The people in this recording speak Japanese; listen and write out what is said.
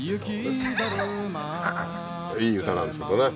いい歌なんですけどね。